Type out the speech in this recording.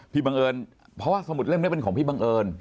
บังเอิญเพราะว่าสมุดเล่มนี้เป็นของพี่บังเอิญ